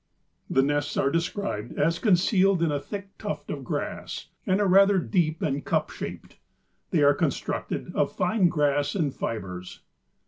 The nests are described as concealed in a thick tuft of grass and are rather deep and cup shaped. They are constructed of fine grass and fibers.